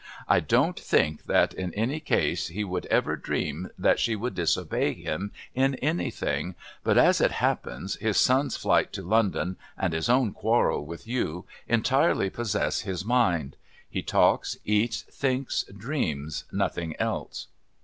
I don't think that in any case he would ever dream that she could disobey him in anything, but, as it happens, his son's flight to London and his own quarrel with you entirely possess his mind. He talks, eats, thinks, dreams nothing else."